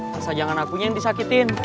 masa jangan akunya yang disakitin